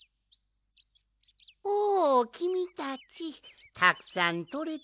おおきみたちたくさんとれたかね？